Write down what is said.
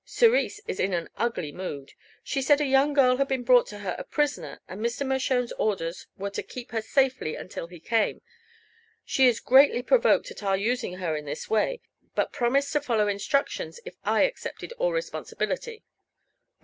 Cerise is in an ugly mood. She said a young girl had been brought to her a prisoner, and Mr. Mershone's orders were to keep her safely until he came. She is greatly provoked at our using her in this way, but promised to follow instructions if I accepted all responsibility."